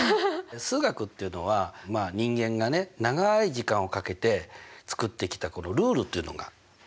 数学っていうのは人間がね長い時間をかけて作ってきたこのルールというのがあるわけです。